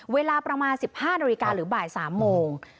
เวลาประมาณ๑๕นาฬิกาหรือบ่าย๓โมง